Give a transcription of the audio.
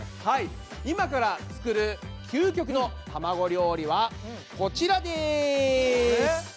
はい今から作る究極の卵料理はこちらです！